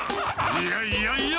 いやいやいや！